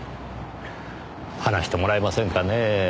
話してもらえませんかねぇ？